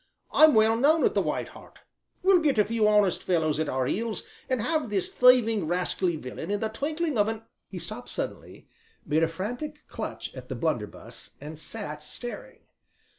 I'm well known at 'The White Hart;' we'll get a few honest fellows at our heels and have this thieving, rascally villain in the twinkling of an " He stopped suddenly, made a frantic clutch at his blunderbuss, and sat staring.